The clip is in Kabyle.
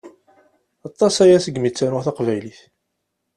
Aṭas aya segmi ttaruɣ taqbaylit.